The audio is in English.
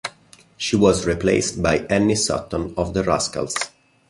She was replaced by Annie Sutton of The Rascals.